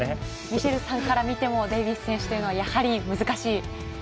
ミシェルさんから見てもデイビス選手というのはやはり難しい？